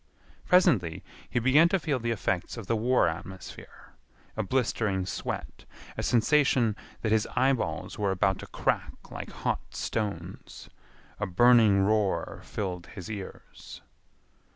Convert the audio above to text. Presently he began to feel the effects of the war atmosphere—a blistering sweat, a sensation that his eyeballs were about to crack like hot stones. A burning roar filled his ears.